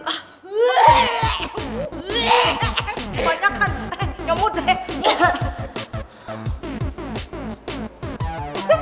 banyak kan nyumbuh deh